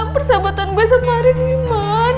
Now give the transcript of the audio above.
persahabatan gue semarin gimana